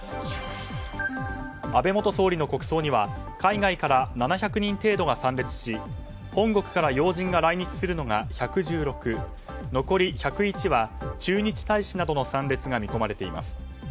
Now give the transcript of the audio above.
安倍元総理の国葬には海外から７００人程度が参列し本国から要人が来日するのが１１６残り１０１は駐日大使などの参列が見込まれています。